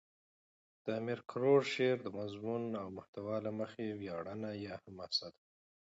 د امیر کروړ شعر دمضمون او محتوا له مخه ویاړنه یا حماسه ده.